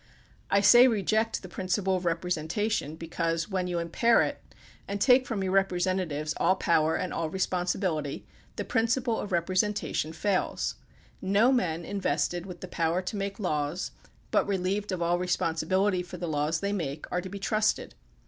I say, reject the principle of representation, because when you impair it and take from your representatives all power and all responsibility, the principle of repre sentation falls. No men invested with the power to make laws, but relieved of all responsibility for the laws they make, are to be trusted.